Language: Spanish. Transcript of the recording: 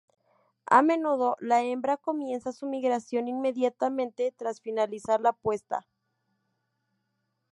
A menudo, la hembra comienza su migración inmediatamente tras finalizar la puesta.